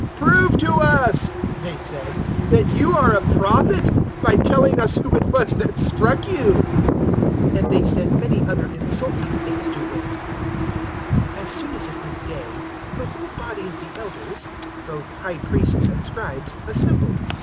"Prove to us," they said, "that you are a prophet, by telling us who it was that struck you." 022:065 And they said many other insulting things to Him. 022:066 As soon as it was day, the whole body of the Elders, both High Priests and Scribes, assembled.